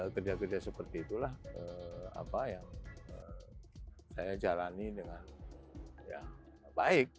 kerja kerja seperti itulah yang saya jalani dengan baik